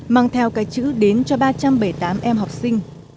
mang theo cái chữ đến cho ba trăm bảy mươi tám em học sinh